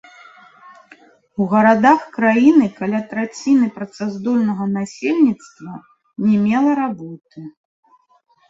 У гарадах краіны каля траціны працаздольнага насельніцтва не мела работы.